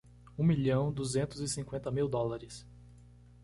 Um milhão duzentos e cinquenta mil dólares.